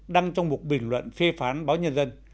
đăng trong một bình luận phê phán báo nhân dân